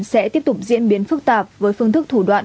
sẽ tiếp tục diễn biến phức tạp với phương thức thủ đoạn